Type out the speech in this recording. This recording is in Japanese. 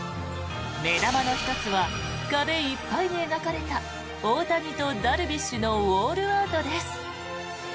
目玉の１つは壁いっぱいに描かれた大谷とダルビッシュのウォールアートです。